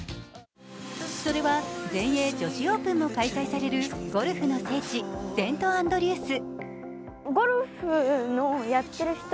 それは全英女子オープンも開会されるゴルフの聖地・セントアンドリュース。